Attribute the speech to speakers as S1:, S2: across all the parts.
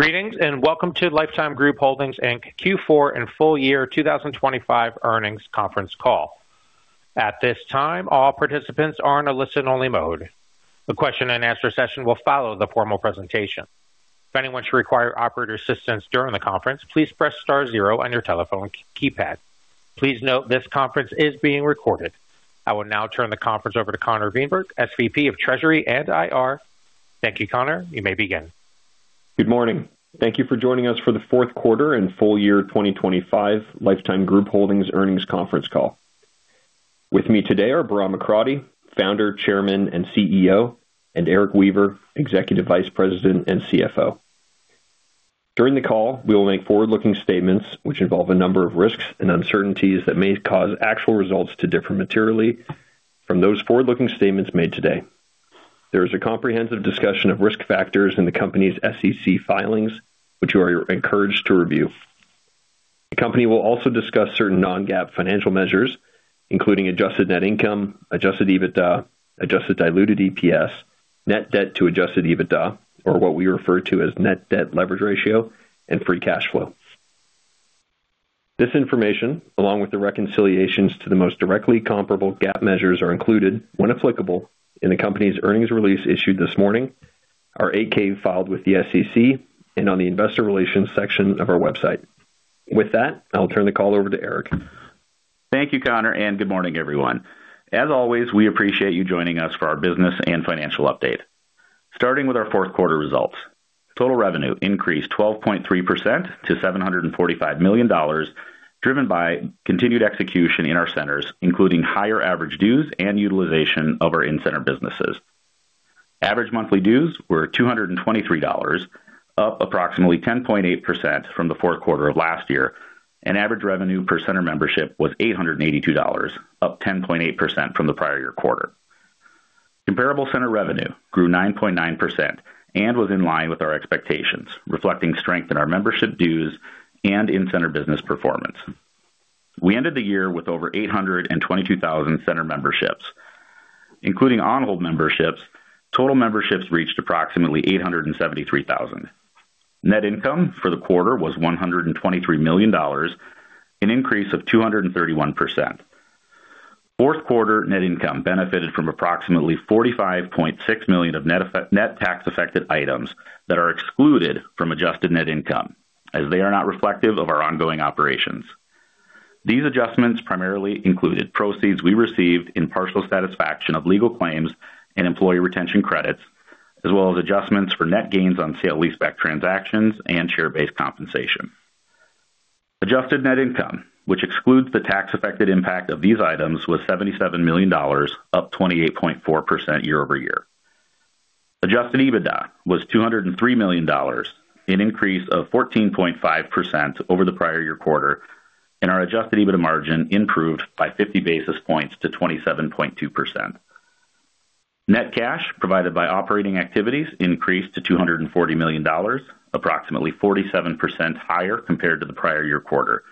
S1: Greetings, welcome to Life Time Group Holdings, Inc. Q4 and full year 2025 earnings conference call. At this time, all participants are in a listen-only mode. The question-and-answer session will follow the formal presentation. If anyone should require operator assistance during the conference, please press star zero on your telephone keypad. Please note, this conference is being recorded. I will now turn the conference over to Conor Weinberg, SVP of Treasury and IR. Thank you, Conor. You may begin.
S2: Good morning. Thank you for joining us for the fourth quarter and full year 2025 Life Time Group Holdings earnings conference call. With me today are Bahram Akradi, Founder, Chairman, and CEO, and Erik Weaver, Executive Vice President and CFO. During the call, we will make forward-looking statements which involve a number of risks and uncertainties that may cause actual results to differ materially from those forward-looking statements made today. There is a comprehensive discussion of risk factors in the company's SEC filings, which you are encouraged to review. The company will also discuss certain non-GAAP financial measures, including Adjusted net income, Adjusted EBITDA, Adjusted diluted EPS, net debt to Adjusted EBITDA, or what we refer to as net debt leverage ratio and free cash flow. This information, along with the reconciliations to the most directly comparable GAAP measures, are included, when applicable, in the company's earnings release issued this morning, our 8-K filed with the SEC and on the investor relations section of our website. With that, I'll turn the call over to Erik.
S3: Thank you, Conor. Good morning, everyone. As always, we appreciate you joining us for our business and financial update. Starting with our fourth quarter results, total revenue increased 12.3% to $745 million, driven by continued execution in our centers, including higher average dues and utilization of our in-center businesses. Average monthly dues were $223, up approximately 10.8% from the fourth quarter of last year, and average revenue per center membership was $882, up 10.8% from the prior year quarter. Comparable center revenue grew 9.9% and was in line with our expectations, reflecting strength in our membership dues and in-center business performance. We ended the year with over 822,000 center memberships. Including on-hold memberships, total memberships reached approximately 873,000. Net income for the quarter was $123 million, an increase of 231%. Fourth quarter net income benefited from approximately $45.6 million of net tax affected items that are excluded from Adjusted net income, as they are not reflective of our ongoing operations. These adjustments primarily included proceeds we received in partial satisfaction of legal claims and Employee Retention Credits, as well as adjustments for net gains on sale-leaseback transactions and share-based compensation. Adjusted net income, which excludes the tax affected impact of these items, was $77 million, up 28.4% year-over-year. Adjusted EBITDA was $203 million, an increase of 14.5% over the prior-year quarter. Our Adjusted EBITDA margin improved by 50 basis points to 27.2%. Net cash provided by operating activities increased to $240 million, approximately 47% higher compared to the prior-year quarter.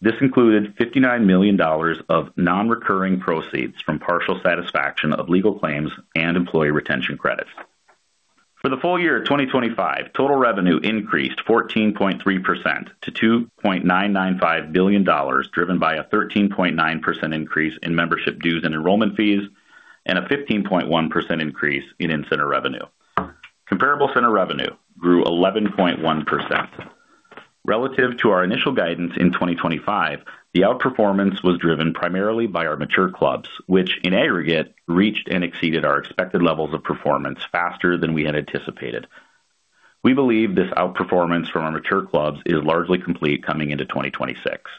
S3: This included $59 million of non-recurring proceeds from partial satisfaction of legal claims and Employee Retention Credits. For the full year of 2025, total revenue increased 14.3% to $2.995 billion, driven by a 13.9% increase in membership dues and enrollment fees and a 15.1% increase in in-center revenue. Comparable center revenue grew 11.1%. Relative to our initial guidance in 2025, the outperformance was driven primarily by our mature clubs, which in aggregate, reached and exceeded our expected levels of performance faster than we had anticipated. We believe this outperformance from our mature clubs is largely complete coming into 2026.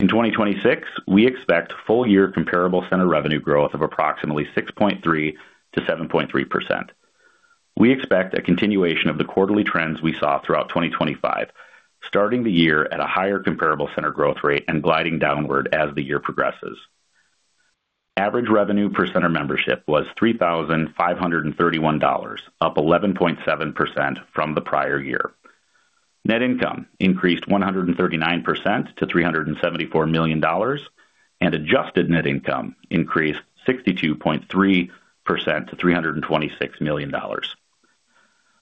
S3: In 2026, we expect full year comparable center revenue growth of approximately 6.3%-7.3%. We expect a continuation of the quarterly trends we saw throughout 2025, starting the year at a higher comparable center growth rate and gliding downward as the year progresses. Average revenue per center membership was $3,531, up 11.7% from the prior year. Net income increased 139% to $374 million, and Adjusted net income increased 62.3% to $326 million.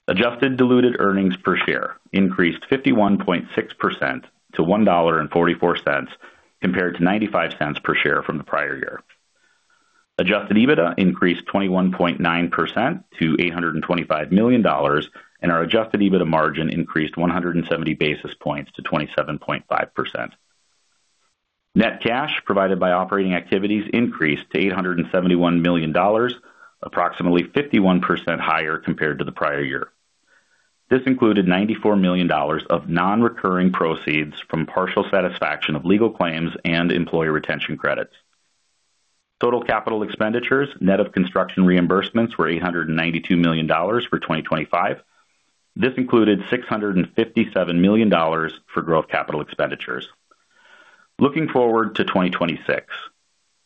S3: Adjusted diluted EPS increased 51.6% to $1.44, compared to $0.95 per share from the prior year. Adjusted EBITDA increased 21.9% to $825 million, and our Adjusted EBITDA margin increased 170 basis points to 27.5%. Net cash provided by operating activities increased to $871 million, approximately 51% higher compared to the prior year. This included $94 million of non-recurring proceeds from partial satisfaction of legal claims and Employee Retention Credits. Total capital expenditures, net of construction reimbursements, were $892 million for 2025. This included $657 million for growth capital expenditures. Looking forward to 2026,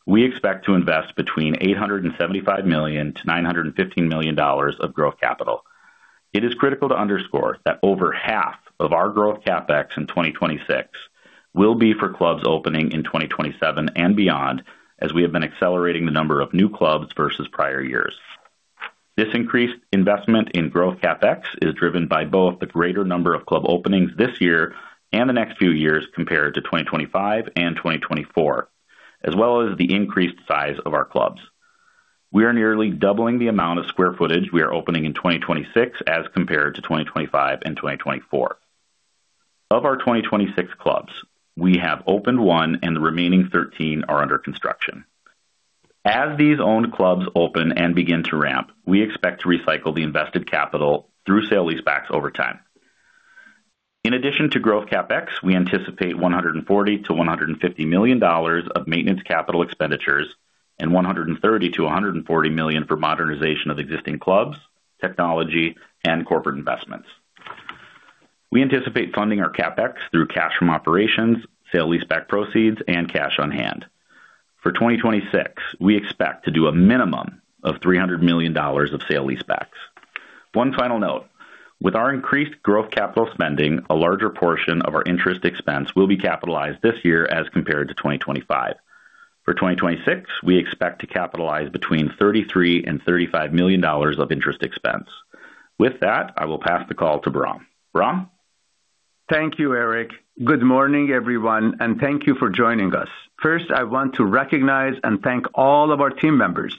S3: we expect to invest between $875 million-$915 million of growth capital. It is critical to underscore that over half of our growth CapEx in 2026 will be for clubs opening in 2027 and beyond, as we have been accelerating the number of new clubs versus prior years. This increased investment in growth CapEx is driven by both the greater number of club openings this year and the next few years compared to 2025 and 2024, as well as the increased size of our clubs. We are nearly doubling the amount of square footage we are opening in 2026 as compared to 2025 and 2024. Of our 2026 clubs, we have opened one and the remaining 13 are under construction. As these owned clubs open and begin to ramp, we expect to recycle the invested capital through sale-leasebacks over time. In addition to growth CapEx, we anticipate $140 million-$150 million of maintenance capital expenditures and $130 million-$140 million for modernization of existing clubs, technology, and corporate investments. We anticipate funding our CapEx through cash from operations, sale-leaseback proceeds, and cash on hand. For 2026, we expect to do a minimum of $300 million of sale-leasebacks. One final note: With our increased growth capital spending, a larger portion of our interest expense will be capitalized this year as compared to 2025. For 2026, we expect to capitalize between $33 million and $35 million of interest expense. With that, I will pass the call to Ram. Ram?
S4: Thank you, Erik. Good morning, everyone, and thank you for joining us. First, I want to recognize and thank all of our team members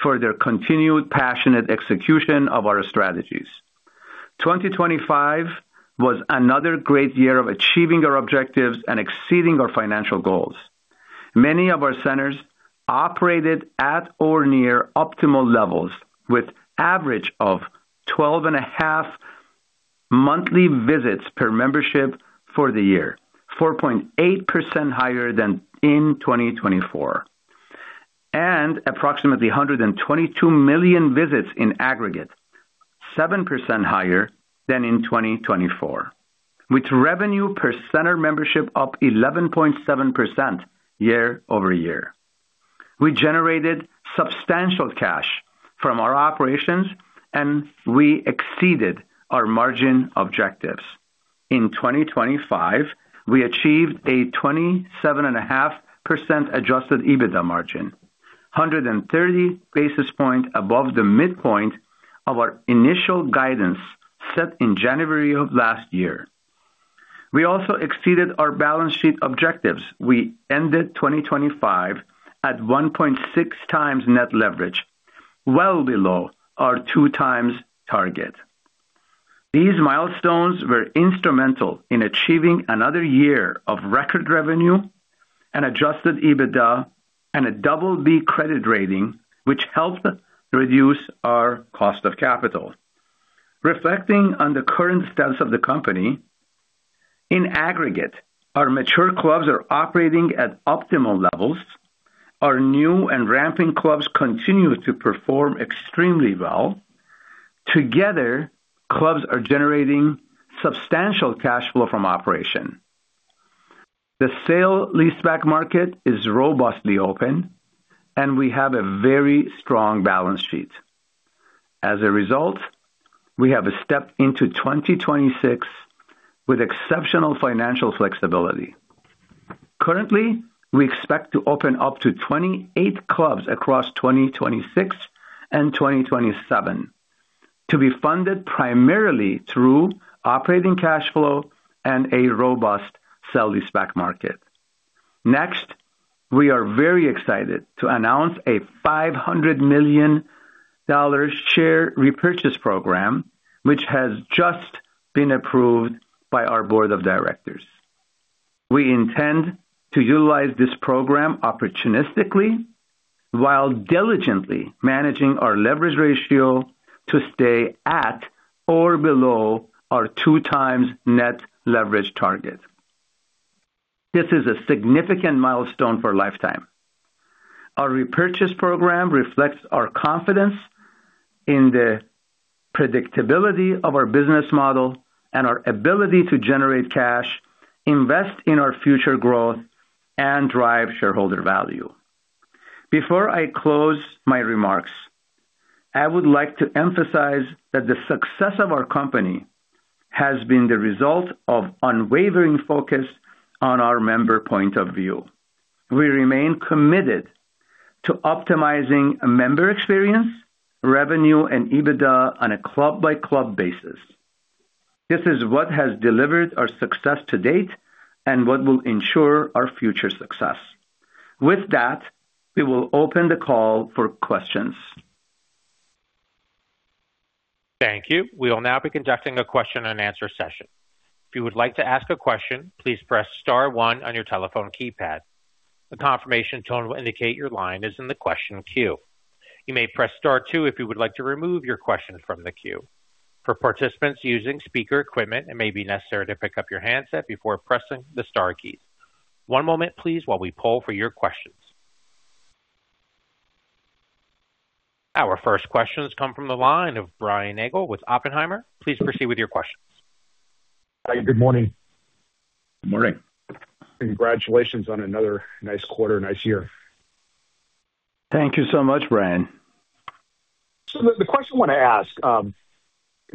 S4: for their continued passionate execution of our strategies. 2025 was another great year of achieving our objectives and exceeding our financial goals. Many of our centers operated at or near optimal levels, with average of 12.5 monthly visits per membership for the year, 4.8% higher than in 2024, and approximately 122 million visits in aggregate, 7% higher than in 2024, with revenue per center membership up 11.7% year-over-year. We generated substantial cash from our operations, and we exceeded our margin objectives. In 2025, we achieved a 27.5% Adjusted EBITDA margin, 130 basis points above the midpoint of our initial guidance set in January of last year. We also exceeded our balance sheet objectives. We ended 2025 at 1.6x net leverage, well below our 2x target. These milestones were instrumental in achieving another year of record revenue and Adjusted EBITDA and a double B credit rating, which helped reduce our cost of capital. Reflecting on the current stance of the company, in aggregate, our mature clubs are operating at optimal levels. Our new and ramping clubs continue to perform extremely well. Together, clubs are generating substantial cash flow from operation. The sale-leaseback market is robustly open, and we have a very strong balance sheet. As a result, we have stepped into 2026 with exceptional financial flexibility. Currently, we expect to open up to 28 clubs across 2026 and 2027, to be funded primarily through operating cash flow and a robust sale-leaseback market. We are very excited to announce a $500 million share repurchase program, which has just been approved by our board of directors. We intend to utilize this program opportunistically while diligently managing our leverage ratio to stay at or below our 2x net leverage target. This is a significant milestone for Life Time. Our repurchase program reflects our confidence in the predictability of our business model and our ability to generate cash, invest in our future growth, and drive shareholder value. Before I close my remarks, I would like to emphasize that the success of our company has been the result of unwavering focus on our member point of view. We remain committed to optimizing member experience, revenue, and EBITDA on a club-by-club basis. This is what has delivered our success to date and what will ensure our future success. With that, we will open the call for questions.
S1: Thank you. We will now be conducting a question-and-answer session. If you would like to ask a question, please press star one on your telephone keypad. The confirmation tone will indicate your line is in the question queue. You may press star two if you would like to remove your question from the queue. For participants using speaker equipment, it may be necessary to pick up your handset before pressing the star key. One moment, please, while we poll for your questions. Our first questions come from the line of Brian Nagel with Oppenheimer. Please proceed with your questions.
S5: Good morning.
S4: Good morning.
S5: Congratulations on another nice quarter, nice year.
S4: Thank you so much, Brian.
S5: The question I want to ask,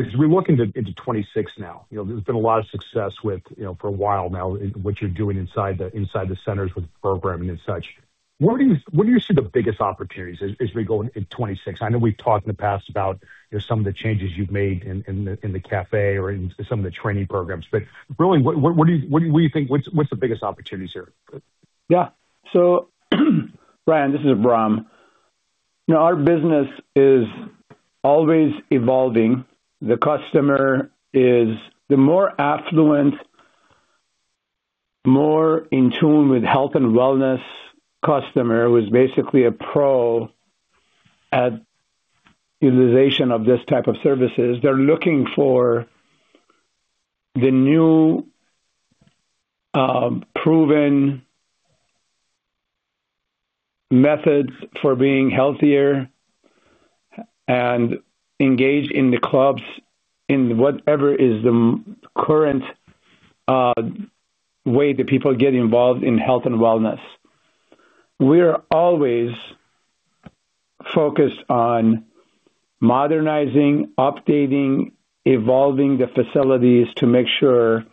S5: as we look into 2026 now, you know, there's been a lot of success with, you know, for a while now in what you're doing inside the centers with programming and such. Where do you see the biggest opportunities as we go in 2026? I know we've talked in the past about, you know, some of the changes you've made in the café or in some of the training programs, really, what do you think? What's the biggest opportunities here?
S4: Yeah. Brian, this is Bahram. You know, our business is always evolving. The customer is the more affluent, more in tune with health and wellness customer, who is basically a pro at utilization of this type of services. They're looking for the new, proven methods for being healthier and engage in the clubs in whatever is the current way that people get involved in health and wellness. We're always focused on modernizing, updating, evolving the facilities to make sure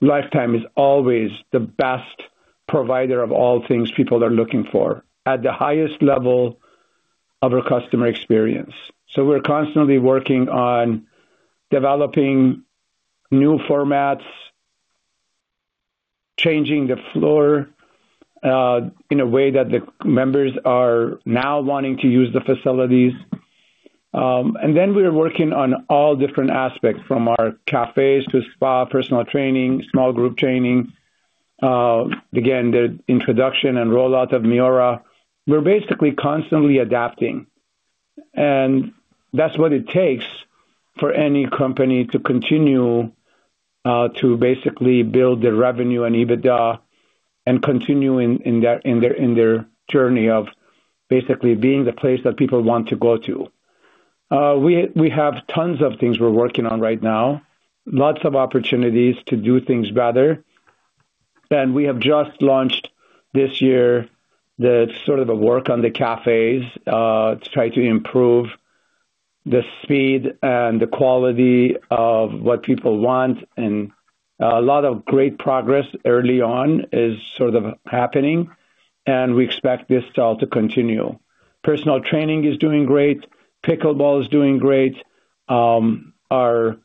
S4: Life Time is always the best provider of all things people are looking for at the highest level of our customer experience. We're constantly working on developing new formats, changing the floor, in a way that the members are now wanting to use the facilities. Then we are working on all different aspects, from our cafes to spa, personal training, small group training. Again, the introduction and rollout of MIORA. We're basically constantly adapting, and that's what it takes for any company to continue to basically build their revenue and EBITDA and continue in their journey of basically being the place that people want to go to. We have tons of things we're working on right now, lots of opportunities to do things better. We have just launched this year, the sort of the work on the cafes, to try to improve the speed and the quality of what people want, and a lot of great progress early on is sort of happening, and we expect this all to continue. Personal training is doing great. Pickleball is doing great. Our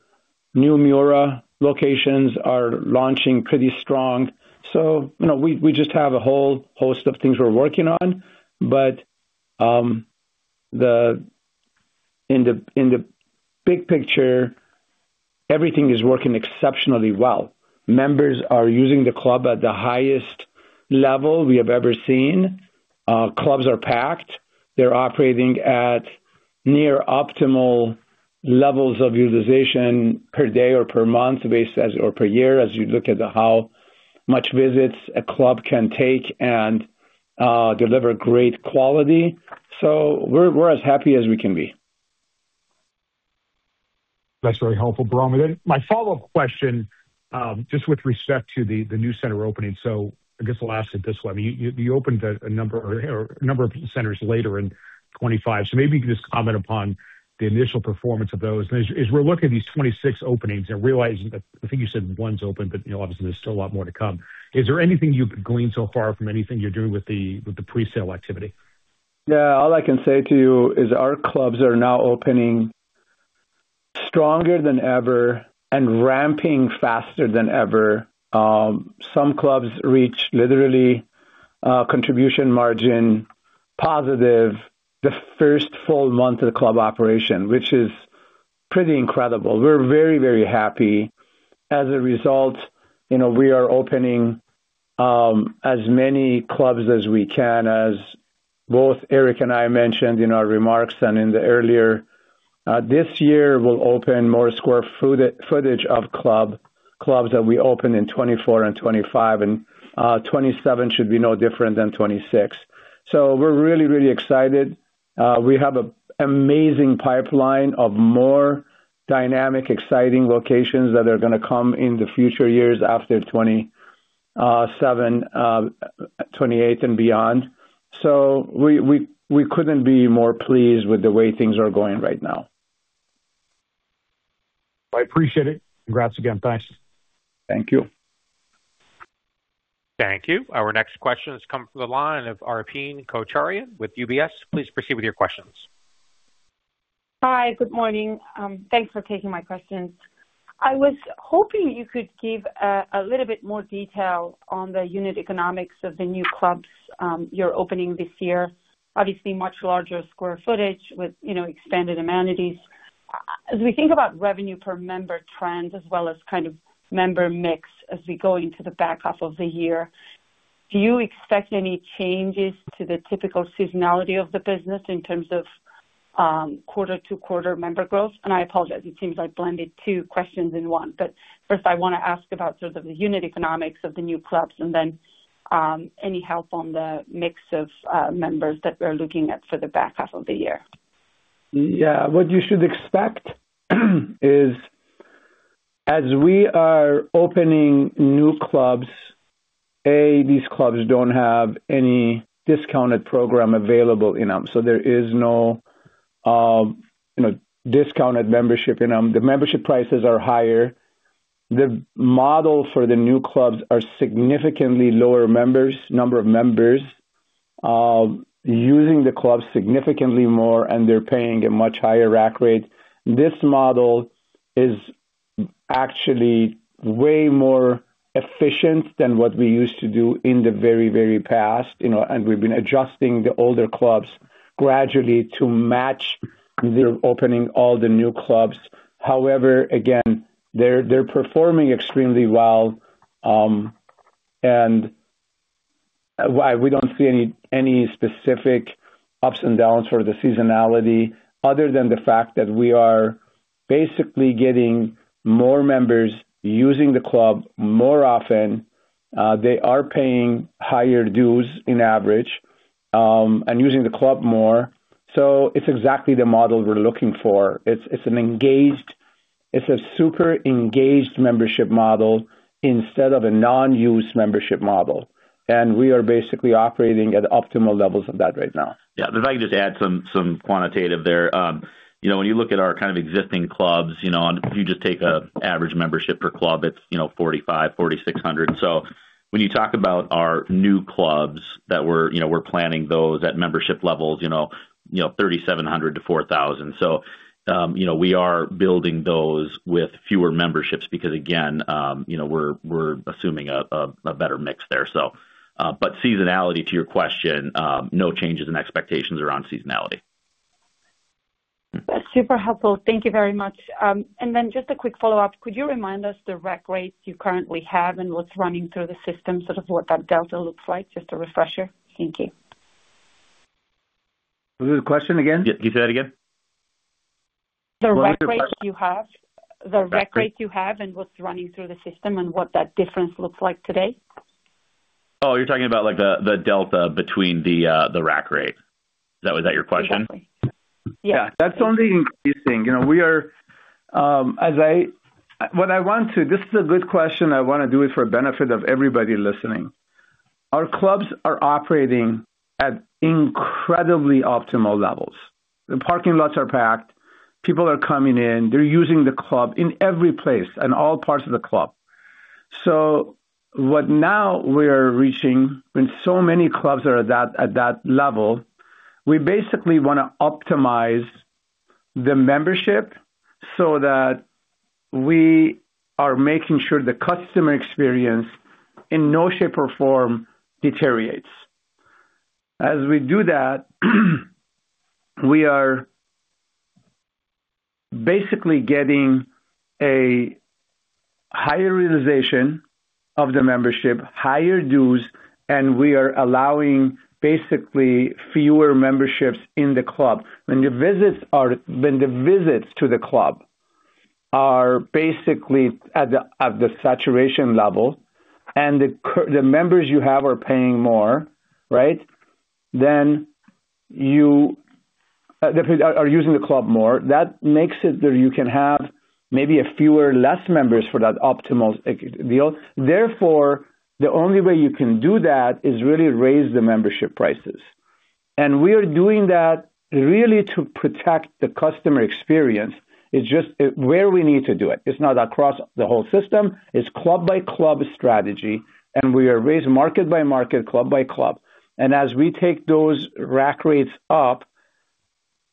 S4: new MIORA locations are launching pretty strong. You know, we just have a whole host of things we're working on. In the big picture, everything is working exceptionally well. Members are using the club at the highest level we have ever seen. Clubs are packed. They're operating at near optimal levels of utilization per day or per month, or per year, as you look at how much visits a club can take and deliver great quality. We're as happy as we can be.
S5: That's very helpful, Bahram. My follow-up question, just with respect to the new center opening. I guess I'll ask it this way. You opened a number or a number of centers later in 2025, so maybe you can just comment upon the initial performance of those. As we're looking at these 2026 openings and realizing that I think you said one's open, but, you know, obviously there's still a lot more to come. Is there anything you've gleaned so far from anything you're doing with the, with the presale activity?
S4: Yeah. All I can say to you is our clubs are now opening stronger than ever and ramping faster than ever. Some clubs reach literally contribution margin positive the first full month of the club operation, which is pretty incredible. We're very, very happy. As a result, you know, we are opening as many clubs as we can, as both Erik and I mentioned in our remarks and in the earlier. This year, we'll open more square foot-footage of club, clubs that we opened in 2024 and 2025, and 2027 should be no different than 2026. We're really, really excited. We have an amazing pipeline of more dynamic, exciting locations that are going to come in the future years after 2027, 2028 and beyond. We couldn't be more pleased with the way things are going right now.
S5: I appreciate it. Congrats again. Thanks.
S4: Thank you.
S1: Thank you. Our next question has come from the line of Arpine Kocharian with UBS. Please proceed with your questions.
S6: Hi, good morning. Thanks for taking my questions. I was hoping you could give a little bit more detail on the unit economics of the new clubs you're opening this year. Obviously, much larger square footage with, you know, expanded amenities. As we think about revenue per member trends as well as kind of member mix as we go into the back half of the year, do you expect any changes to the typical seasonality of the business in terms of quarter-to-quarter member growth? I apologize, it seems I blended two questions in one, but first, I want to ask about sort of the unit economics of the new clubs and then any help on the mix of members that we're looking at for the back half of the year.
S4: Yeah. What you should expect As we are opening new clubs, A, these clubs don't have any discounted program available in them, so there is no, you know, discounted membership in them. The membership prices are higher. The model for the new clubs are significantly lower number of members, using the club significantly more, and they're paying a much higher rack rate. This model is actually way more efficient than what we used to do in the very, very past, you know. We've been adjusting the older clubs gradually to match the opening all the new clubs. However, again, they're performing extremely well, and why we don't see any specific ups and downs for the seasonality other than the fact that we are basically getting more members using the club more often. They are paying higher dues on average, using the club more. It's exactly the model we're looking for. It's a super engaged membership model instead of a non-use membership model. We are basically operating at optimal levels of that right now.
S3: Yeah. If I could just add some quantitative there. You know, when you look at our kind of existing clubs, you know, and you just take a average membership per club, it's, you know, 4,500-4,600. When you talk about our new clubs that we're, you know, we're planning those at membership levels, you know, you know, 3,700-4,000. You know, we are building those with fewer memberships because, again, you know, we're assuming a better mix there. Seasonality, to your question, no changes in expectations around seasonality.
S6: That's super helpful. Thank you very much. Then just a quick follow-up: Could you remind us the rack rates you currently have and what's running through the system, sort of what that delta looks like? Just a refresher. Thank you.
S4: What was the question again?
S3: Yep. Can you say that again?
S6: The rack rates you have.
S4: One more time.
S6: The rack rates you have and what's running through the system and what that difference looks like today.
S3: Oh, you're talking about, like, the delta between the rack rate. Was that your question?
S6: Exactly. Yeah.
S4: Yeah. That's only increasing. You know, we are. This is a good question. I wanna do it for benefit of everybody listening. Our clubs are operating at incredibly optimal levels. The parking lots are packed, people are coming in, they're using the club in every place and all parts of the club. What now we're reaching, when so many clubs are at that level, we basically wanna optimize the membership so that we are making sure the customer experience, in no shape or form, deteriorates. As we do that, we are basically getting a higher realization of the membership, higher dues, and we are allowing basically fewer memberships in the club. When the visits to the club are basically at the saturation level and the members you have are paying more, right? You are using the club more, that makes it that you can have maybe a fewer, less members for that optimal deal. The only way you can do that is really raise the membership prices. We are doing that really to protect the customer experience. It's just where we need to do it. It's not across the whole system. It's club-by-club strategy, and we are raising market by market, club by club. As we take those rack rates up,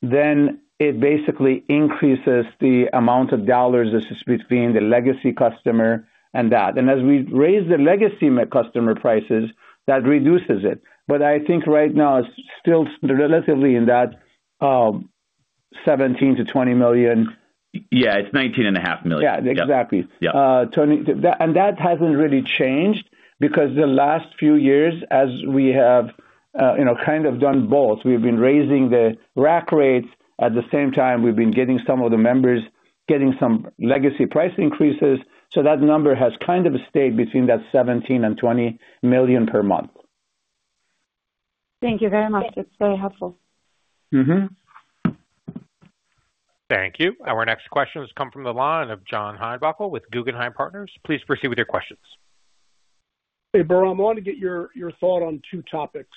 S4: then it basically increases the amount of dollars between the legacy customer and that. As we raise the legacy customer prices, that reduces it. I think right now, it's still relatively in that $17 million-$20 million.
S3: Yeah, it's $nineteen and a half million.
S4: Yeah, exactly.
S3: Yeah.
S4: That hasn't really changed because the last few years, as we have, you know, kind of done both, we've been raising the rack rates. At the same time, we've been getting some of the members getting some legacy price increases. That number has kind of stayed between that $17 million and $20 million per month.
S6: Thank you very much. It's very helpful.
S4: Mm-hmm.
S1: Thank you. Our next question has come from the line of John Heinbockel with Guggenheim Partners. Please proceed with your questions.
S7: Hey, Bahram, I want to get your thought on two topics.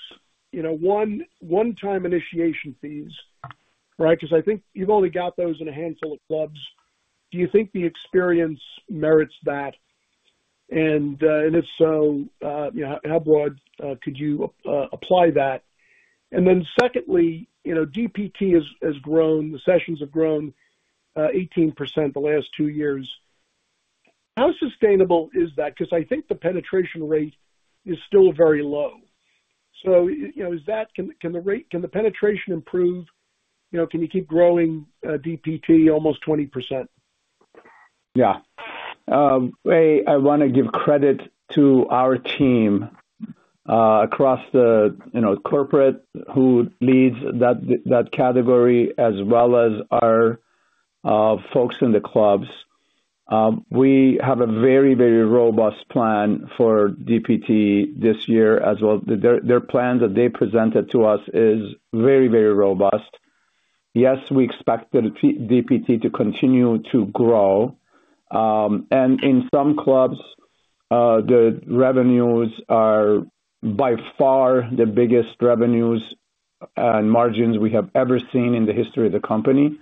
S7: You know, one-time initiation fees, right? Because I think you've only got those in a handful of clubs. Do you think the experience merits that? If so, you know, how broad could you apply that? Then secondly, you know, DPT has grown, the sessions have grown 18% the last two years. How sustainable is that? Because I think the penetration rate is still very low. You know, can the rate, can the penetration improve? You know, can you keep growing DPT almost 20%?
S4: Yeah. A, I wanna give credit to our team across the, you know, corporate, who leads that category, as well as our folks in the clubs. We have a very robust plan for DPT this year as well. Their plan that they presented to us is very robust. Yes, we expect the DPT to continue to grow. In some clubs, the revenues are by far the biggest revenues and margins we have ever seen in the history of the company.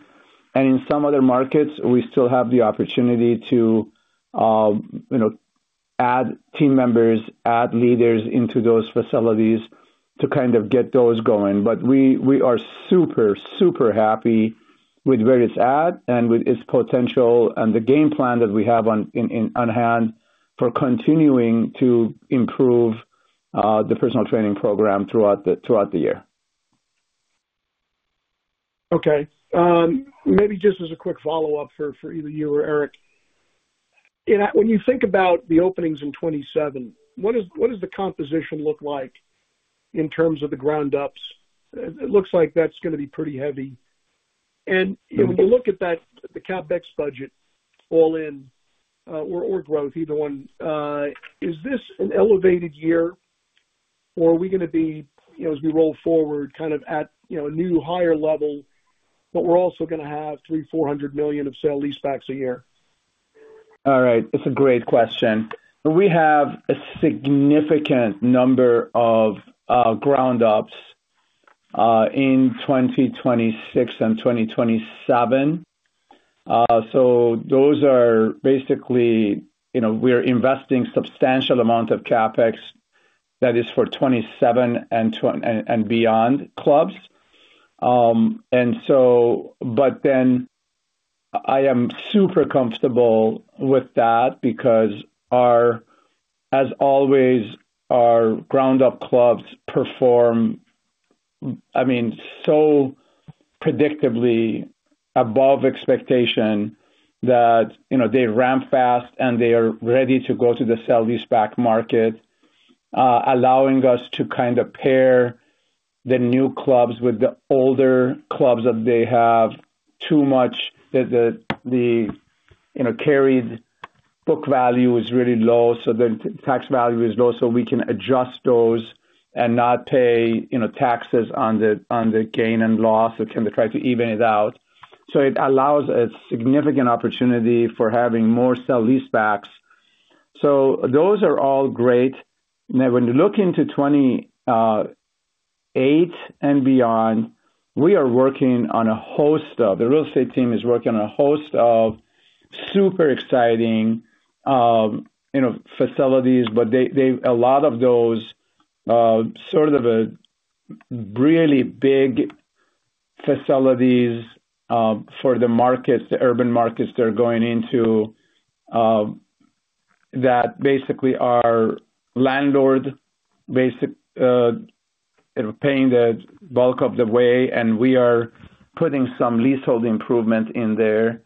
S4: In some other markets, we still have the opportunity to, you know, add team members, add leaders into those facilities to kind of get those going. We are super happy with where it's at and with its potential and the game plan that we have on hand for continuing to improve the personal training program throughout the year.
S7: Okay. maybe just as a quick follow-up for either you or Erik. You know, when you think about the openings in 2027, what does the composition look like in terms of the ground-ups? When you look at that, the CapEx budget all in, or growth, either one, is this an elevated year, or are we gonna be, you know, as we roll forward, kind of at, you know, a new higher level, but we're also gonna have $300 million-$400 million of sale-leasebacks a year?
S4: All right. That's a great question. We have a significant number of ground-ups in 2026 and 2027. Those are basically, you know, we're investing substantial amount of CapEx that is for 2027 and beyond clubs. But then I am super comfortable with that because as always, our ground-up clubs perform, I mean, so predictably above expectation that, you know, they ramp fast, and they are ready to go to the sale-leaseback market, allowing us to kind of pair the new clubs with the older clubs that they have too much, that the, you know, carried book value is really low, so the tax value is low, so we can adjust those and not pay, you know, taxes on the, on the gain and loss and kind of try to even it out. It allows a significant opportunity for having more sale-leasebacks. Those are all great. Now, when you look into 2028 and beyond, the real estate team is working on a host of super exciting, you know, facilities, but a lot of those, sort of a really big facilities, for the markets, the urban markets they're going into, that basically are landlord basic, paying the bulk of the way, and we are putting some leasehold improvement in there.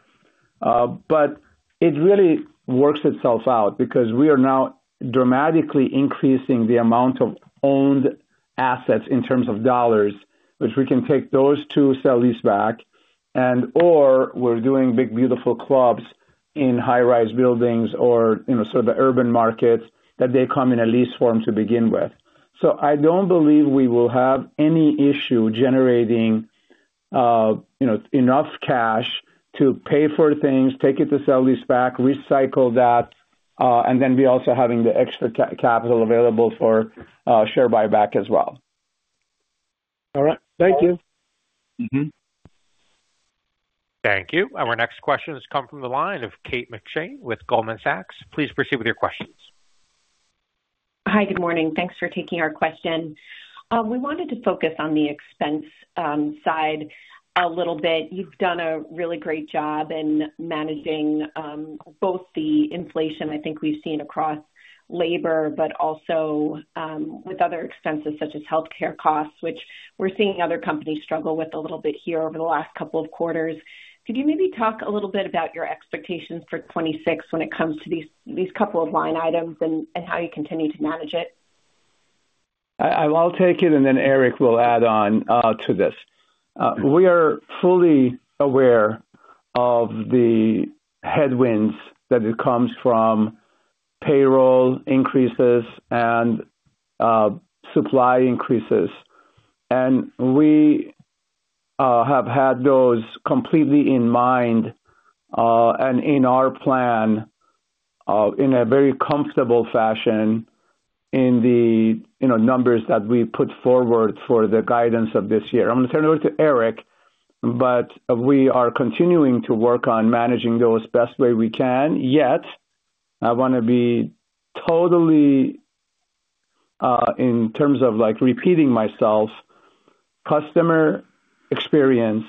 S4: It really works itself out because we are now dramatically increasing the amount of owned assets in terms of dollars, which we can take those two sell leaseback, and/or we're doing big, beautiful clubs in high-rise buildings or, you know, sort of urban markets that they come in a lease form to begin with. I don't believe we will have any issue generating, you know, enough cash to pay for things, take it to sell leaseback, recycle that, and then we also having the extra capital available for share buyback as well.
S7: All right. Thank you.
S4: Mm-hmm.
S1: Thank you. Our next question has come from the line of Kate McShane with Goldman Sachs. Please proceed with your questions.
S8: Hi, good morning. Thanks for taking our question. We wanted to focus on the expense side a little bit. You've done a really great job in managing both the inflation I think we've seen across labor, but also with other expenses such as healthcare costs, which we're seeing other companies struggle with a little bit here over the last two quarters. Could you maybe talk a little bit about your expectations for 2026 when it comes to these two line items and how you continue to manage it?
S4: I will take it, and then Erik will add on to this. We are fully aware of the headwinds that it comes from payroll increases and supply increases, and we have had those completely in mind and in our plan in a very comfortable fashion in the, you know, numbers that we put forward for the guidance of this year. I'm gonna turn it over to Erik, but we are continuing to work on managing those best way we can. Yet, I wanna be totally, in terms of, like, repeating myself, customer experience,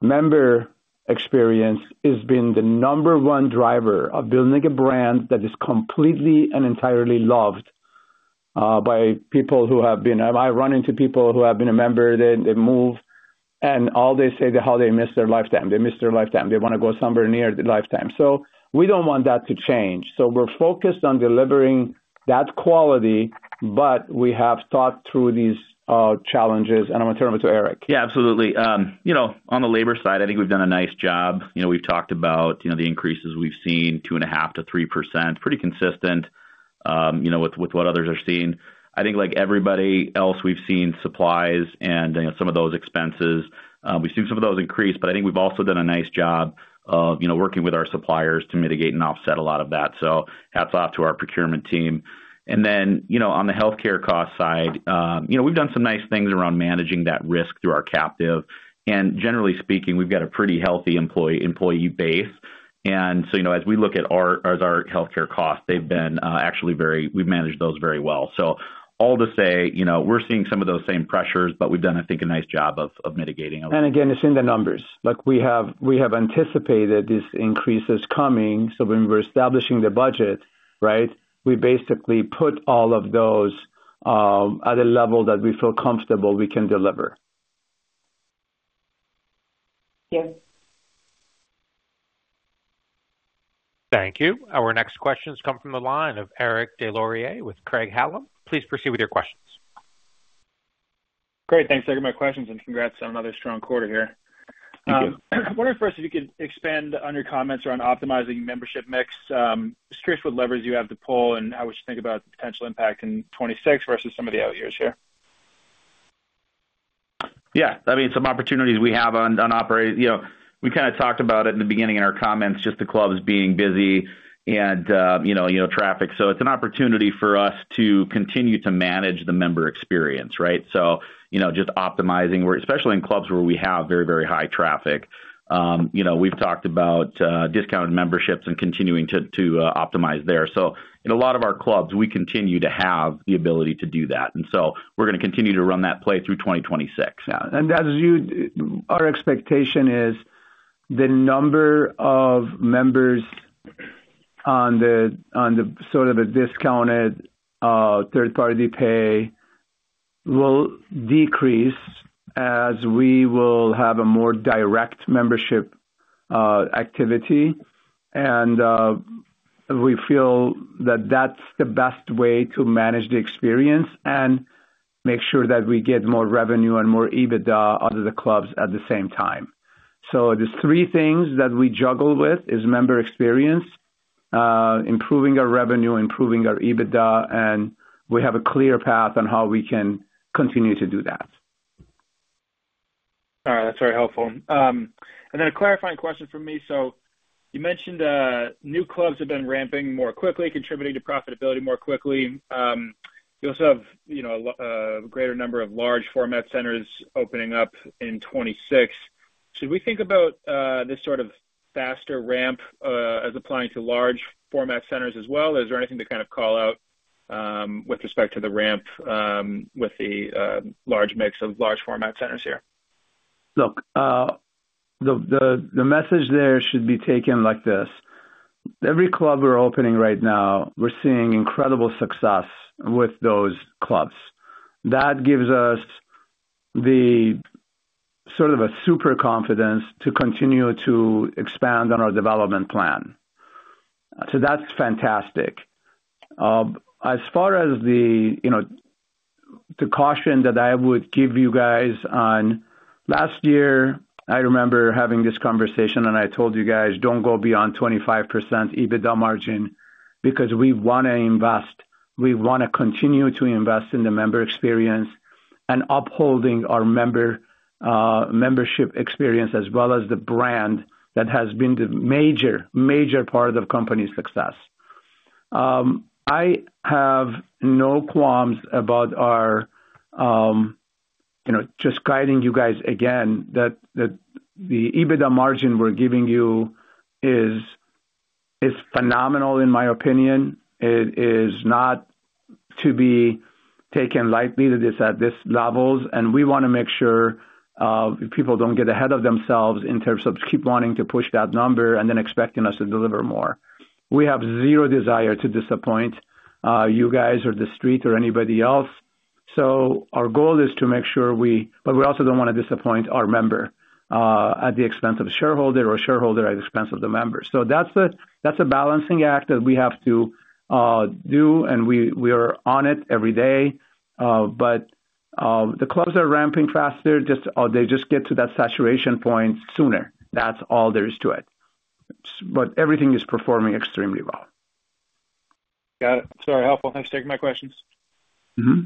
S4: member experience, has been the number one driver of building a brand that is completely and entirely loved. I run into people who have been a member, they move, and all they say is how they miss their Life Time. They miss their Life Time. They wanna go somewhere near the Life Time. We don't want that to change. We're focused on delivering that quality, but we have thought through these challenges, and I'm gonna turn them to Erik.
S3: Yeah, absolutely. You know, on the labor side, I think we've done a nice job. We've talked about, you know, the increases we've seen 2.5%-3%, pretty consistent, you know, with what others are seeing. I think like everybody else, we've seen supplies and some of those expenses, we've seen some of those increase, but I think we've also done a nice job of, you know, working with our suppliers to mitigate and offset a lot of that. Hats off to our procurement team. You know, on the healthcare cost side, you know, we've done some nice things around managing that risk through our captive. Generally speaking, we've got a pretty healthy employee base. You know, as we look as our healthcare costs, they've been actually we've managed those very well. All to say, you know, we're seeing some of those same pressures, but we've done, I think, a nice job of mitigating them.
S4: Again, it's in the numbers. Like we have anticipated these increases coming, so when we're establishing the budget, right, we basically put all of those at a level that we feel comfortable we can deliver.
S3: Yes.
S1: Thank you. Our next question comes from the line of Eric Des Lauriers with Craig-Hallum. Please proceed with your questions.
S9: Great. Thanks for taking my questions, and congrats on another strong quarter here.
S3: Thank you.
S9: I wonder if first, if you could expand on your comments around optimizing membership mix, just curious what levers you have to pull, and how we should think about the potential impact in 2026 versus some of the out years here?
S3: Yeah, I mean, some opportunities we have on operate. You know, we kind of talked about it in the beginning in our comments, just the clubs being busy and, you know, traffic. It's an opportunity for us to continue to manage the member experience, right? You know, just optimizing, especially in clubs where we have very high traffic. You know, we've talked about discounted memberships and continuing to optimize there. In a lot of our clubs, we continue to have the ability to do that, we're gonna continue to run that play through 2026.
S4: Our expectation is the number of members on the sort of a discounted, third-party pay will decrease, as we will have a more direct membership activity. We feel that that's the best way to manage the experience and make sure that we get more revenue and more EBITDA out of the clubs at the same time. There's three things that we juggle with, is member experience, improving our revenue, improving our EBITDA, and we have a clear path on how we can continue to do that.
S9: All right. That's very helpful. Then a clarifying question from me: You mentioned new clubs have been ramping more quickly, contributing to profitability more quickly. You also have, you know, a greater number of large format centers opening up in 2026. Should we think about this sort of faster ramp as applying to large format centers as well? Is there anything to kind of call out with respect to the ramp with the large mix of large format centers here?
S4: Look, the message there should be taken like this: Every club we're opening right now, we're seeing incredible success with those clubs. That gives us the sort of a super confidence to continue to expand on our development plan. That's fantastic. As far as the, you know, the caution that I would give you guys on. Last year, I remember having this conversation, and I told you guys, "Don't go beyond 25% EBITDA margin, because we want to invest. We want to continue to invest in the member experience and upholding our member membership experience, as well as the brand that has been the major part of the company's success." I have no qualms about our, you know, just guiding you guys again, that the EBITDA margin we're giving you is phenomenal, in my opinion. It is not to be taken lightly, that it's at this levels, we want to make sure people don't get ahead of themselves in terms of keep wanting to push that number and then expecting us to deliver more. We have zero desire to disappoint you guys, or the street, or anybody else. Our goal is to make sure we also don't want to disappoint our member at the expense of a shareholder or a shareholder at the expense of the members. That's a, that's a balancing act that we have to do, and we are on it every day. The clubs are ramping faster, just they just get to that saturation point sooner. That's all there is to it. Everything is performing extremely well.
S9: Got it. It's very helpful. Thanks for taking my questions.
S3: Mm-hmm.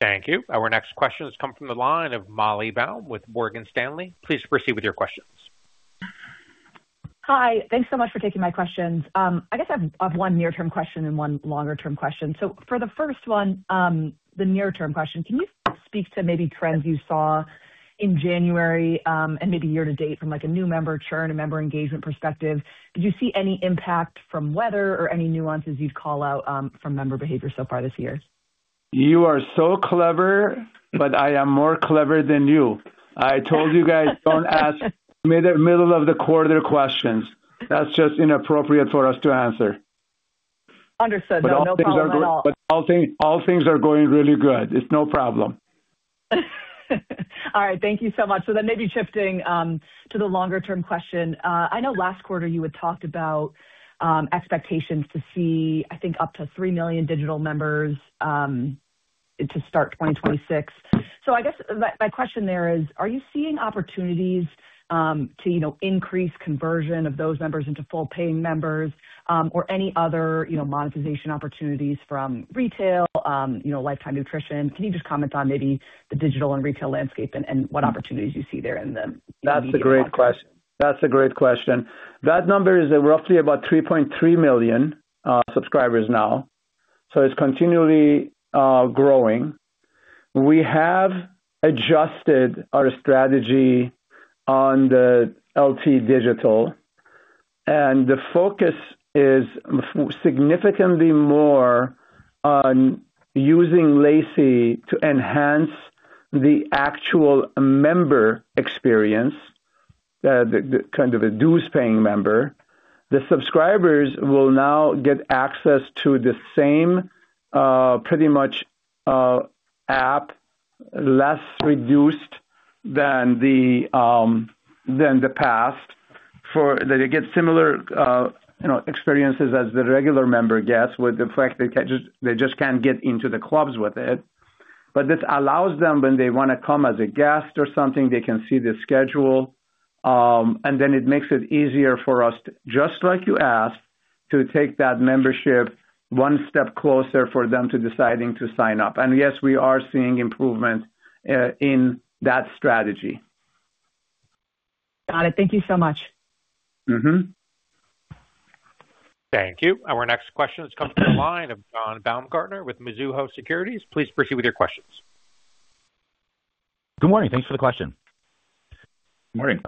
S1: Thank you. Our next question has come from the line of Molly Baum with Bank of America. Please proceed with your questions.
S10: Hi. Thanks so much for taking my questions. I guess I have one near-term question and one longer term question. For the first one, the near-term question, can you speak to maybe trends you saw in January, and maybe year to date from, like, a new member churn and member engagement perspective? Did you see any impact from weather or any nuances you'd call out from member behavior so far this year?
S4: You are so clever, but I am more clever than you. I told you guys, don't ask middle of the quarter questions. That's just inappropriate for us to answer.
S10: Understood, though. No problem at all.
S4: All things are going really good. It's no problem.
S10: All right. Thank you so much. Maybe shifting to the longer-term question. I know last quarter you had talked about expectations to see, I think, up to 3 million digital members to start 2026. I guess my question there is, are you seeing opportunities to, you know, increase conversion of those members into full paying members or any other, you know, monetization opportunities from retail, you know, Life Time Nutrition? Can you just comment on maybe the digital and retail landscape and what opportunities you see there?
S4: That's a great question. That number is roughly about 3.3 million subscribers now. It's continually growing. We have adjusted our strategy on the LT Digital, the focus is significantly more on using L•AI•C to enhance the actual member experience, the kind of a dues-paying member. The subscribers will now get access to the same, pretty much, app, less reduced than the past, for they get similar, you know, experiences as the regular member gets, with the fact they just can't get into the clubs with it. This allows them, when they wanna come as a guest or something, they can see the schedule, and then it makes it easier for us, just like you asked, to take that membership one step closer for them to deciding to sign up. Yes, we are seeing improvement in that strategy.
S10: Got it. Thank you so much.
S4: Mm-hmm.
S1: Thank you. Our next question comes from the line of John Baumgartner with Mizuho Securities. Please proceed with your questions.
S11: Good morning. Thanks for the question.
S4: Good morning.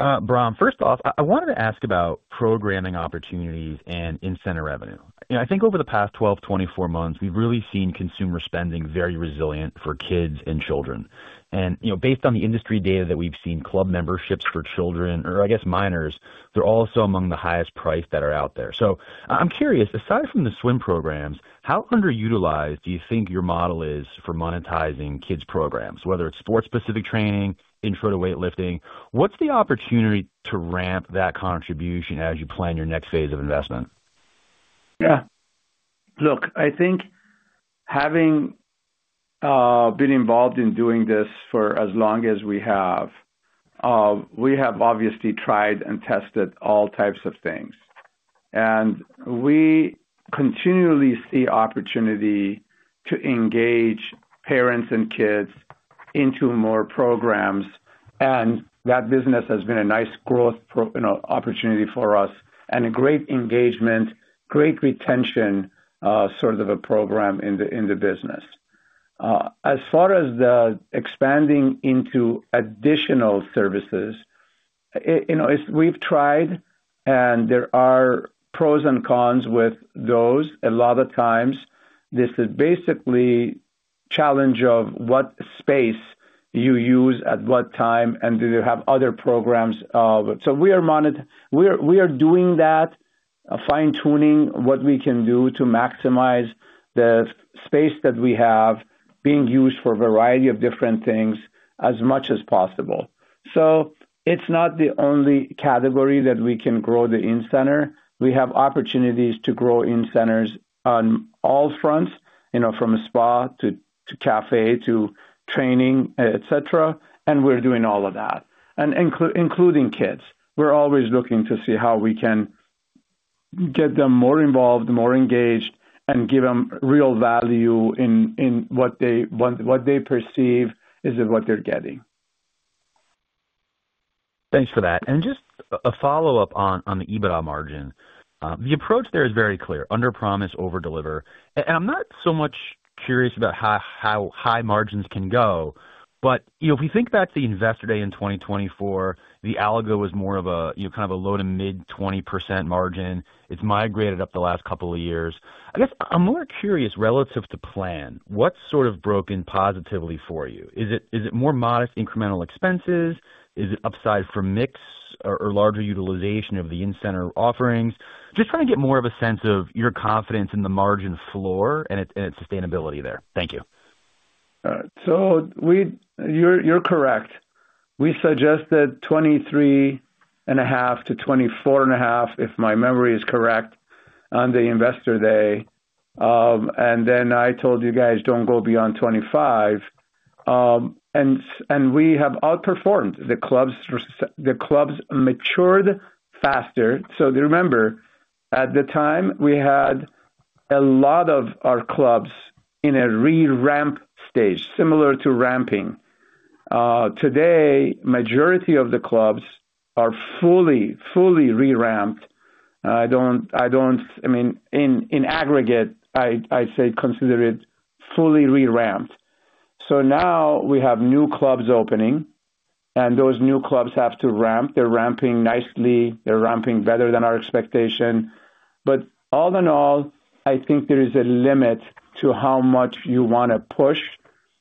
S11: Maybe Bahram, first off, I wanted to ask about programming opportunities and in-center revenue. You know, I think over the past 12, 24 months, we've really seen consumer spending very resilient for kids and children. You know, based on the industry data that we've seen, club memberships for children, or I guess minors, they're also among the highest priced that are out there. I'm curious, aside from the swim programs, how underutilized do you think your model is for monetizing kids' programs, whether it's sports-specific training, intro to weightlifting? What's the opportunity to ramp that contribution as you plan your next phase of investment?
S4: Yeah. Look, I think having been involved in doing this for as long as we have, we have obviously tried and tested all types of things, and we continually see opportunity to engage parents and kids into more programs, and that business has been a nice growth you know, opportunity for us and a great engagement, great retention, sort of a program in the, in the business. As far as the expanding into additional services, you know, it's we've tried and there are pros and cons with those. A lot of times this is basically challenge of what space you use at what time, and do you have other programs? We are doing that, fine-tuning what we can do to maximize the space that we have being used for a variety of different things as much as possible. It's not the only category that we can grow the in-center. We have opportunities to grow in-centers on all fronts, you know, from a spa to cafe to training, et cetera, and we're doing all of that. Including kids. We're always looking to see how we can get them more involved, more engaged, and give them real value in what they want what they perceive is what they're getting.
S11: Thanks for that. Just a follow-up on the EBITDA margin. The approach there is very clear, underpromise, overdeliver. I'm not so much curious about how high margins can go, but, you know, if you think back to the Investor Day in 2024, the algo was more of a, you know, kind of a low to mid 20% margin. It's migrated up the last couple of years. I guess I'm more curious relative to plan, what sort of broken positively for you? Is it more modest incremental expenses? Is it upside from mix or larger utilization of the in-center offerings? Just trying to get more of a sense of your confidence in the margin floor and its sustainability there. Thank you.
S4: You're correct. We suggested 23.5-24.5, if my memory is correct, on the Investor Day. Then I told you guys, "Don't go beyond 25." We have outperformed. The clubs matured faster. Remember, at the time, we had a lot of our clubs in a re-ramp stage, similar to ramping. Today, majority of the clubs are fully re-ramped. I don't, I mean, in aggregate, I say consider it fully re-ramped. Now we have new clubs opening, and those new clubs have to ramp. They're ramping nicely; they're ramping better than our expectation. All in all, I think there is a limit to how much you want to push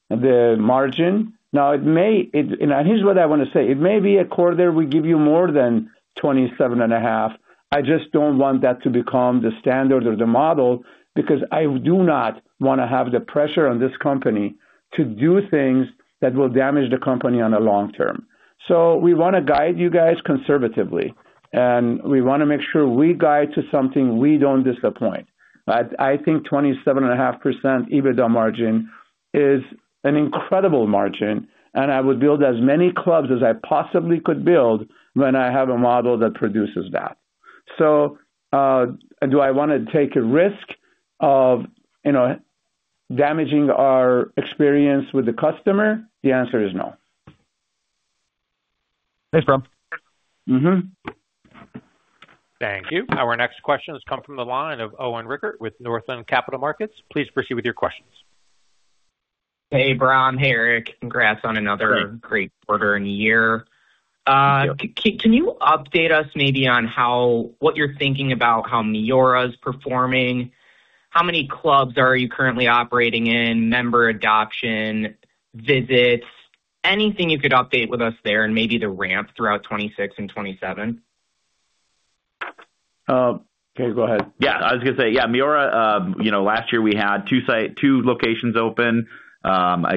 S4: the margin. Now, it may... Here's what I want to say: It may be a quarter we give you more than 27.5%. I just don't want that to become the standard or the model, because I do not wanna have the pressure on this company to do things that will damage the company on the long term. We wanna guide you guys conservatively, and we wanna make sure we guide to something we don't disappoint. I think 27.5% EBITDA margin is an incredible margin, and I would build as many clubs as I possibly could build when I have a model that produces that. Do I want to take a risk of, you know, damaging our experience with the customer? The answer is no.
S3: Thanks, Bahram.
S4: Mm-hmm.
S1: Thank you. Our next question has come from the line of Owen Rickert with Northland Capital Markets. Please proceed with your questions.
S12: Hey, Bahram. Hey, Erik. Congrats on another...
S4: Sure.
S12: - great quarter and year.
S4: Thank you.
S12: Can you update us maybe on how, what you're thinking about, how MIORA is performing? How many clubs are you currently operating in, member adoption, visits, anything you could update with us there, and maybe the ramp throughout 2026 and 2027?
S3: Okay, go ahead. Yeah, I was gonna say, yeah, MIORA, you know, last year we had two locations open.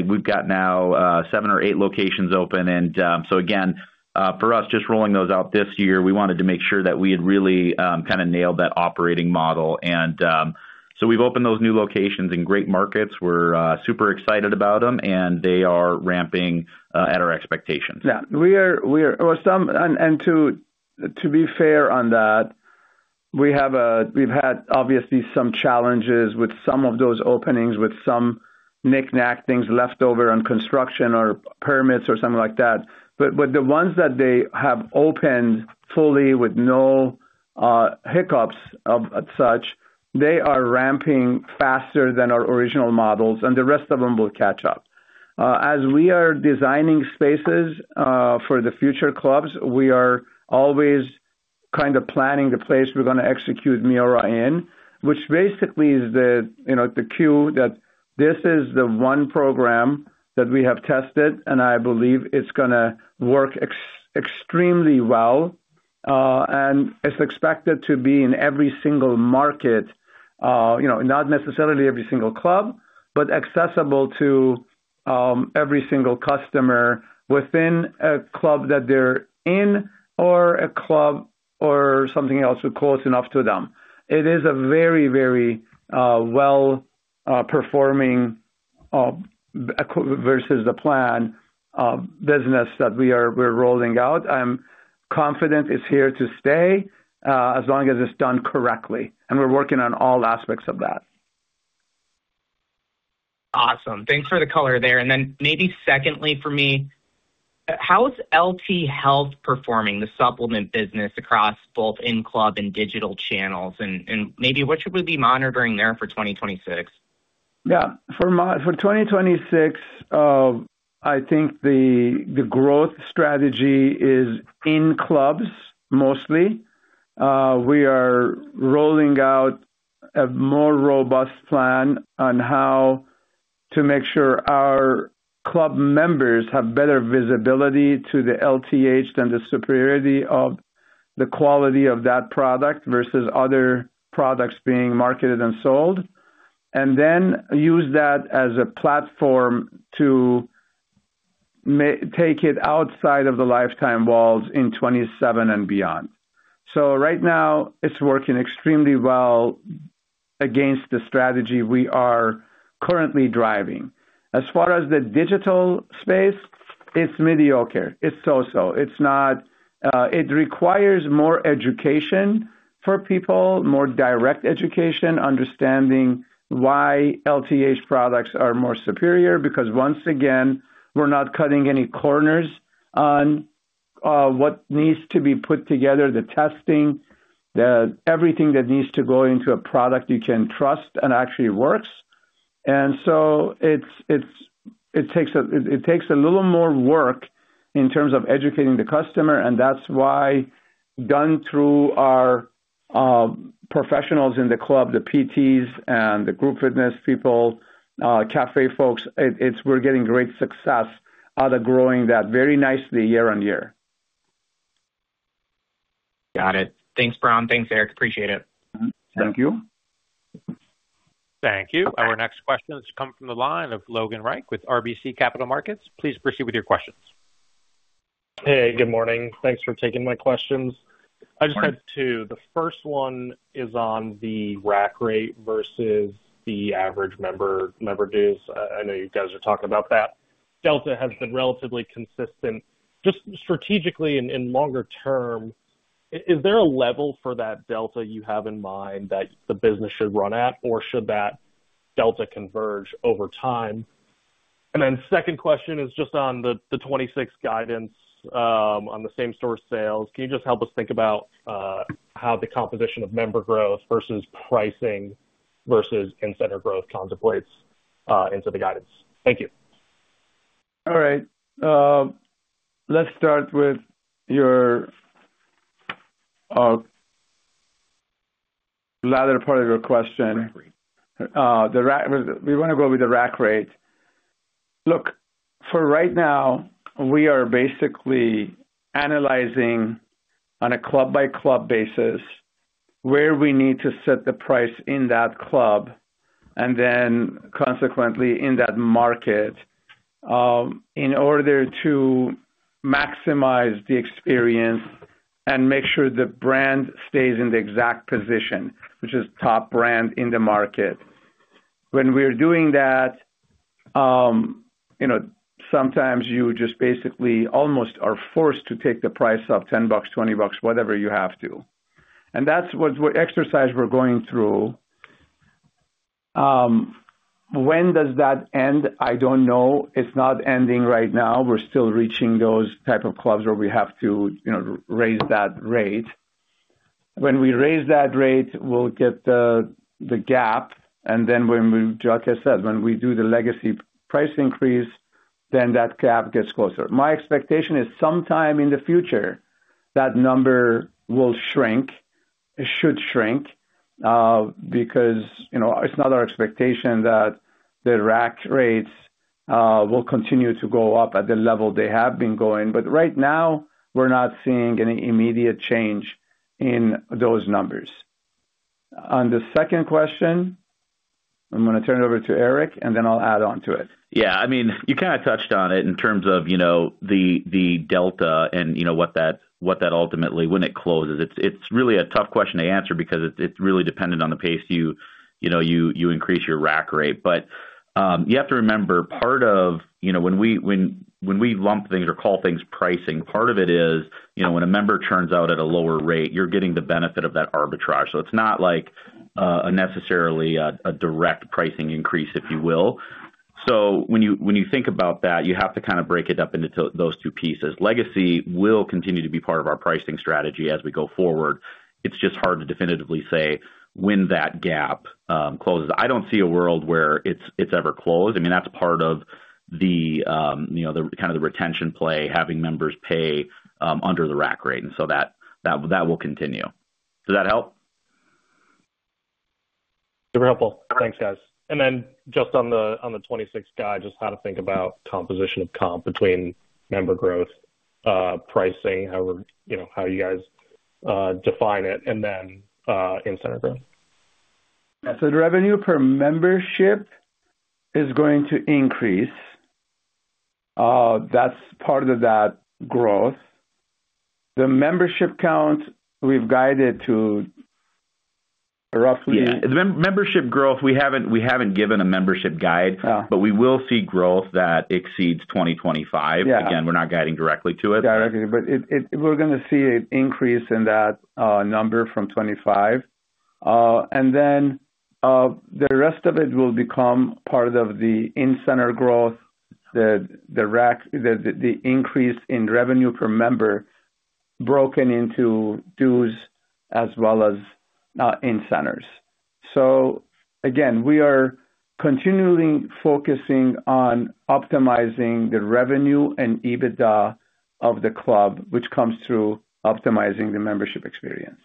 S3: We've got now, seven or eight locations open. Again, for us, just rolling those out this year, we wanted to make sure that we had really, kind of nailed that operating model. We've opened those new locations in great markets. We're super excited about them, and they are ramping, at our expectations.
S4: Yeah, we are. Well, to be fair on that, we have, we've had obviously some challenges with some of those openings, with some knick-knack things left over on construction or permits or something like that. The ones that they have opened fully with no hiccups of, as such, they are ramping faster than our original models, and the rest of them will catch up. As we are designing spaces for the future clubs, we are always kind of planning the place we're gonna execute MIORA in, which basically is the, you know, the cue that this is the one program that we have tested, and I believe it's gonna work extremely well. It's expected to be in every single market, you know, not necessarily every single club, but accessible to every single customer within a club that they're in, or a club or something else close enough to them. It is a very, very well performing versus the plan business that we're rolling out. I'm confident it's here to stay as long as it's done correctly, we're working on all aspects of that.
S12: Awesome. Thanks for the color there. Maybe secondly, for me, how is LT Health performing the supplement business across both in-club and digital channels? Maybe what should we be monitoring there for 2026?
S4: Yeah. For 2026, I think the growth strategy is in clubs mostly. We are rolling out a more robust plan on how to make sure our club members have better visibility to the LTH and the superiority of the quality of that product versus other products being marketed and sold, and then use that as a platform to take it outside of the Life Time walls in 2027 and beyond. Right now, it's working extremely well against the strategy we are currently driving. As far as the digital space, it's mediocre. It's so. It requires more education for people, more direct education, understanding why LTH products are more superior, because once again, we're not cutting any corners on what needs to be put together, the testing, everything that needs to go into a product you can trust and actually works. It takes a little more work in terms of educating the customer, and that's why done through our professionals in the club, the PTs and the group fitness people, cafe folks, we're getting great success out of growing that very nicely year-on-year.
S12: Got it. Thanks, Bahram. Thanks, Erik. Appreciate it.
S4: Thank you.
S1: Thank you.
S12: Okay.
S1: Our next question has come from the line of Logan Reich with RBC Capital Markets. Please proceed with your questions.
S13: Hey, good morning. Thanks for taking my questions.
S4: Good morning.
S13: I just had two. The first one is on the rack rate versus the average member dues. I know you guys are talking about that. Delta has been relatively consistent. Just strategically and longer term, is there a level for that delta you have in mind that the business should run at, or should that delta converge over time? Second question is just on the 2026 guidance on the same-store sales. Can you just help us think about how the composition of member growth versus pricing versus in-center growth contemplates into the guidance? Thank you.
S4: Let's start with your latter part of your question.
S13: Rack rate.
S4: We want to go with the rack rate. Look, for right now, we are basically analyzing on a club-by-club basis, where we need to set the price in that club and then consequently, in that market, in order to maximize the experience and make sure the brand stays in the exact position, which is top brand in the market. When we're doing that, you know, sometimes you just basically almost are forced to take the price up $10, $20, whatever you have to. That's what exercise we're going through. When does that end? I don't know. It's not ending right now. We're still reaching those type of clubs where we have to, you know, raise that rate. When we raise that rate, we'll get the gap, and then when we, just like I said, when we do the legacy price increase, then that gap gets closer. My expectation is sometime in the future, that number will shrink. It should shrink, because, you know, it's not our expectation that the rack rates will continue to go up at the level they have been going. Right now, we're not seeing any immediate change in those numbers. On the second question, I'm gonna turn it over to Erik, and then I'll add on to it.
S3: Yeah, I mean, you kinda touched on it in terms of, you know, the delta and, you know, what that, what that ultimately, when it closes. It's really a tough question to answer because it's really dependent on the pace you know, you increase your rack rate. You have to remember, part of, you know, when we lump things or call things pricing, part of it is, you know, when a member turns out at a lower rate, you're getting the benefit of that arbitrage. It's not like necessarily a direct pricing increase, if you will. When you think about that, you have to kind of break it up into those two pieces. Legacy will continue to be part of our pricing strategy as we go forward. It's just hard to definitively say when that gap closes. I don't see a world where it's ever closed. I mean, that's part of the, you know, the kind of the retention play, having members pay under the rack rate, that will continue. Does that help?
S13: Super helpful. Thanks, guys. Just on the 2026 guide, just how to think about composition of comp between member growth, pricing, however, you know, how you guys define it, and then in center growth?
S4: The revenue per membership is going to increase. That's part of that growth. The membership count, we've guided to.
S3: Yeah, the membership growth, we haven't given a membership.
S4: Ah.
S3: We will see growth that exceeds 2025.
S4: Yeah.
S3: Again, we're not guiding directly to it.
S4: Directly, we're gonna see an increase in that number from 2025. The rest of it will become part of the in-center growth, the rack, the increase in revenue per member, broken into dues as well as in-centers. Again, we are continually focusing on optimizing the revenue and EBITDA of the club, which comes through optimizing the membership experience.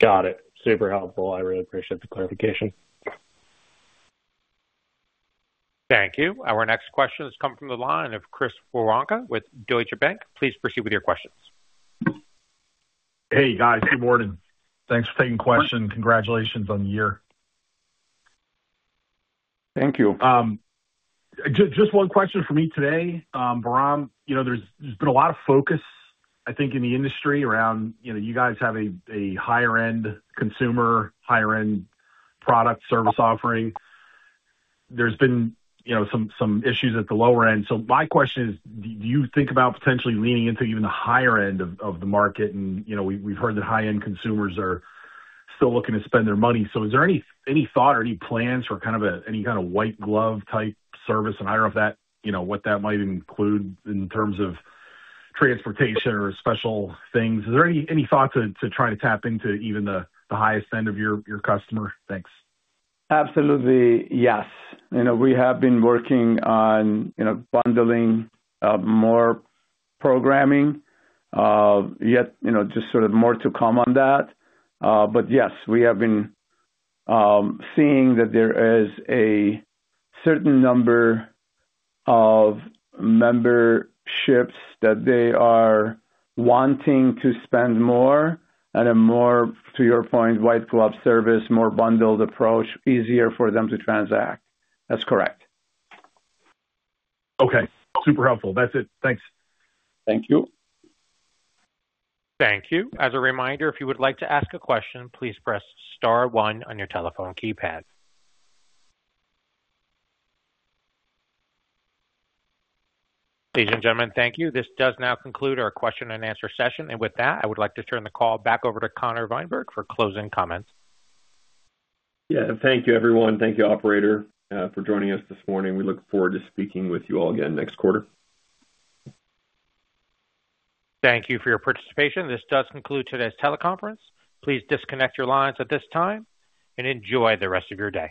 S13: Got it. Super helpful. I really appreciate the clarification.
S1: Thank you. Our next question is coming from the line of Chris Woronka with Deutsche Bank. Please proceed with your questions.
S14: Hey, guys. Good morning. Thanks for taking the question. Congratulations on the year.
S4: Thank you.
S14: Just one question for me today. Bahram, you know, there's been a lot of focus, I think, in the industry around, you know, you guys having a higher-end consumer, higher-end product, service offering. There's been, you know, some issues at the lower end. My question is, do you think about potentially leaning into even the higher end of the market? You know, we've heard that high-end consumers are still looking to spend their money. Is there any thought or any plans or kind of any kind of white glove-type service? I don't know if that, you know, what that might include in terms of transportation or special things. Is there any thought to try to tap into even the highest end of your customer? Thanks.
S4: Absolutely, yes. You know, we have been working on, you know, bundling, more programming, yet, you know, just sort of more to come on that. Yes, we have been seeing that there is a certain number of memberships, that they are wanting to spend more and a more, to your point, white glove service, more bundled approach, easier for them to transact. That's correct.
S14: Okay, super helpful. That's it. Thanks.
S4: Thank you.
S1: Thank you. As a reminder, if you would like to ask a question, please press star one on your telephone keypad. Ladies and gentlemen, thank you. This does now conclude our question and answer session. With that, I would like to turn the call back over to Conor Weinberg for closing comments.
S2: Yeah. Thank you, everyone. Thank you, operator, for joining us this morning. We look forward to speaking with you all again next quarter.
S1: Thank you for your participation. This does conclude today's teleconference. Please disconnect your lines at this time and enjoy the rest of your day.